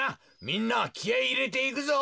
みんなきあいいれていくぞ。